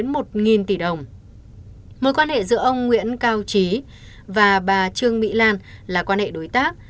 mối quan hệ giữa ông nguyễn cao trí và bà trương mỹ lan là quan hệ đối tác